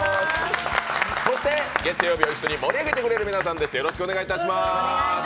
月曜日を一緒に盛り上げてくれる皆さんです。